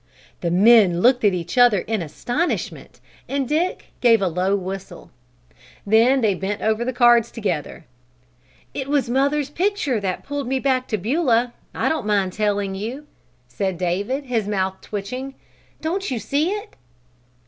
The men looked at each other in astonishment and Dick gave a low whistle. Then they bent over the cards together. "It was mother's picture that pulled me back to Beulah, I don't mind telling you," said David, his mouth twitching. "Don't you see it?"